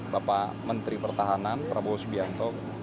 bapak menteri pertahanan prabowo subianto